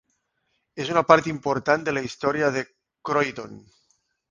És una part important de la història de Croydon.